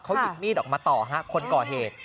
เขาหยิบมีดออกมาต่อฮะคนก่อเหตุ